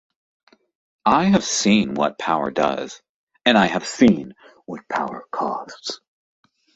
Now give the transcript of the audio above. I have seen what power does, and I have seen what power costs.